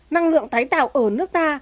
năng lượng tài tạo ở nước ta